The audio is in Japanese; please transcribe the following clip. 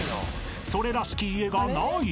［それらしき家がない］